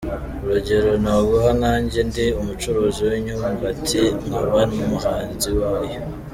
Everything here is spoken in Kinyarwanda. Urugero naguha nkanjye ndi umucuruzi w’imyumbati nkaba n’umuhinzi wayo.